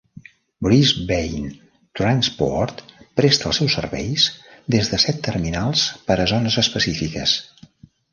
Brisbane Transport presta els seus serveis des de set terminals per a zones específiques.